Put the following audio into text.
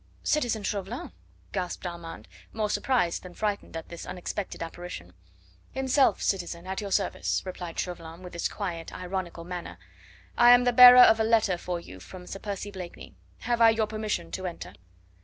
"Citizen Chauvelin!" gasped Armand, more surprised than frightened at this unexpected apparition. "Himself, citizen, at your service," replied Chauvelin with his quiet, ironical manner. "I am the bearer of a letter for you from Sir Percy Blakeney. Have I your permission to enter?"